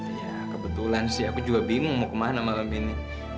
iya kebetulan sih aku juga bingung mau kemana malam ini